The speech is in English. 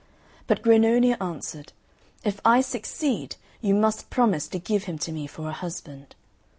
But Grannonia answered, "If I succeed, you must promise to give him to me for a husband."